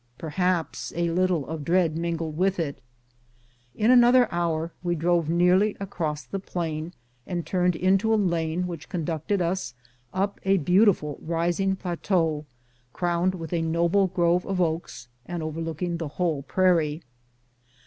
Perhaps a little of dread mingled with it. In another hour we drove nearly across the plain and turned into a lane which con ducted us up a beautiful rising plateau, crowned with a noble grove of oaks and overlooking the whole prairie.